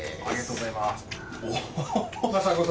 ありがとうございます。